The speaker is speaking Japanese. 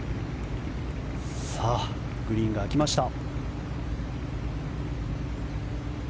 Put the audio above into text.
さあ、グリーンが空きました。